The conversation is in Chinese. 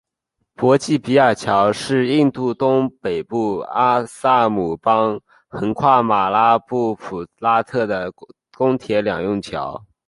博济比尔桥是印度东北部阿萨姆邦横跨布拉马普特拉河的公铁两用桥。